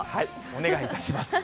お願いいたします。